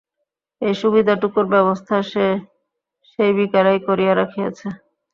এই সুবিধাটুকুর ব্যবস্থা সে সেই বিকালেই করিয়া রাখিয়াছে।